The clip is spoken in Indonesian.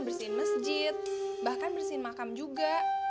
bersihin masjid bahkan bersihin makam juga